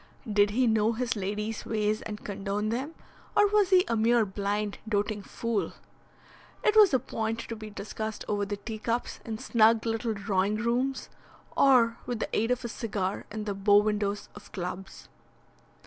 Did he know his lady's ways and condone them, or was he a mere blind, doting fool? It was a point to be discussed over the teacups in snug little drawing rooms, or with the aid of a cigar in the bow windows of clubs.